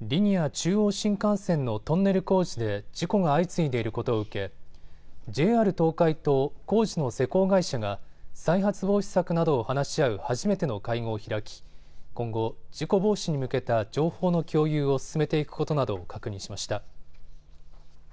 中央新幹線のトンネル工事で事故が相次いでいることを受けＪＲ東海と工事の施工会社が再発防止策などを話し合う初めての会合を開き今後、事故防止に向けた情報の共有を進めていくことなどを確認しました。